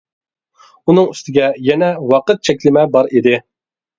ئۇنىڭ ئۈستىگە يەنە ۋاقىت چەكلىمە بار ئىدى.